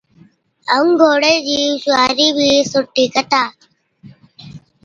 ائُون گھوڙي چِي سوارِي بِي سُٺِي ڪتا،